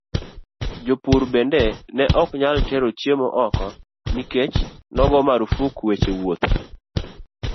Jopur bende ne ok nyal tero chiemo oko nikech nogo marufuk weche wuoth.